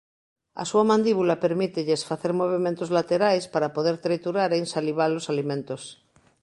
A súa mandíbula permítelles facer movementos laterais para poder triturar e insalivar os alimentos.